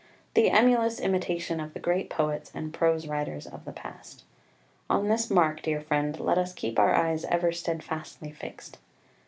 The emulous imitation of the great poets and prose writers of the past. On this mark, dear friend, let us keep our eyes ever steadfastly fixed.